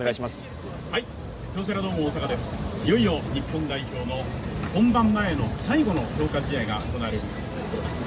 いよいよ日本代表の本番前の最後の強化試合が行われるところです。